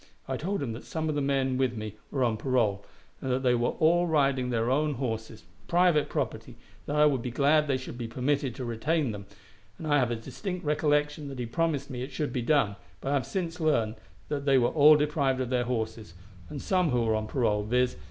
I told him that some of the men with me were on parole, and that they all were riding their own horses private property that I would be glad they should be permitted to retain them, and I have a distinct recollection that he promised me it should be done; but I have since learned that they were all deprived of their horses, and some who were on parole, viz.